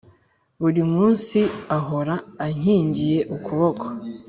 buri munsi ahora ankingiye ukuboko